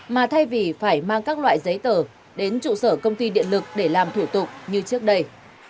mà thay vì phải mang các loại giấy tờ đến trụ sở công ty điện lực để làm thủ tục như trước đây